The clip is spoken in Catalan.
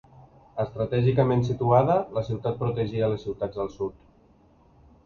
Estratègicament situada, la ciutat protegia les ciutats al sud.